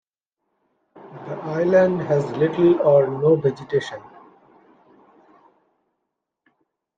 The island has little or no vegetation.